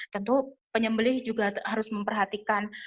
tentu penyembeli juga harus memperhatikan